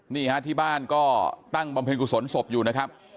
นี่ฮะที่บ้านก็ตั้งบำเพ็ญกุศลศพอยู่นะครับ